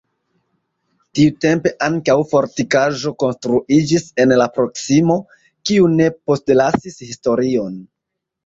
Tiutempe ankaŭ fortikaĵo konstruiĝis en la proksimo, kiu ne postlasis historion.